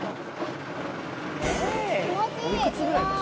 気持ちいい！